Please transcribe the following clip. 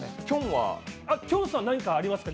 きょんさん何かあります？